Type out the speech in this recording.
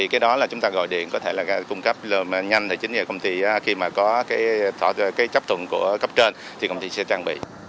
cái đó là chúng ta gọi điện có thể là cung cấp nhanh tài chính nhà công ty khi mà có cái chấp thuận của cấp trên thì công ty sẽ trang bị